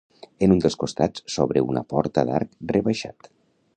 En un dels costats s'obre una porta d'arc rebaixat.